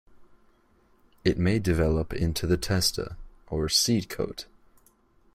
It may develop into the testa, or seed coat.